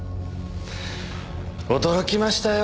驚きましたよ。